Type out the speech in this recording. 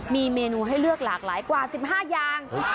มีเมนูให้เลือกหลากหลายกว่า๑๕อย่าง